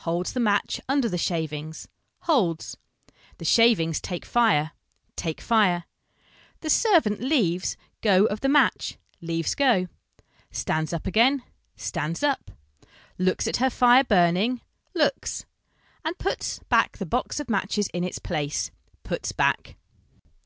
Holds the match under the shavings, holds. The shavings take fire, take fire. The servant leaves go of the match, leaves go. Stands up again, stands up. Looks at her fire burning, looks. And puts back the box of matches in its place, puts back?